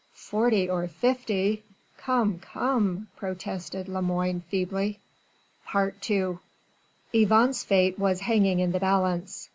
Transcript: "Forty or fifty? Come! come!" protested Lemoine feebly. II Yvonne's fate was hanging in the balance.